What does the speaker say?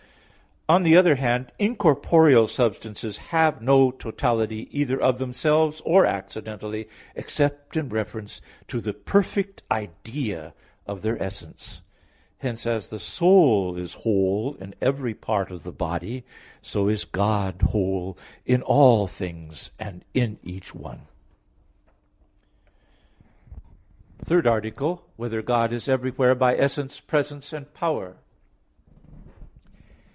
On the other hand, incorporeal substances have no totality either of themselves or accidentally, except in reference to the perfect idea of their essence. Hence, as the soul is whole in every part of the body, so is God whole in all things and in each one. _______________________ THIRD ARTICLE [I, Q. 8, Art. 3] Whether God Is Everywhere by Essence, Presence and Power?